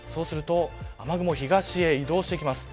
雨雲、東へ移動してきます。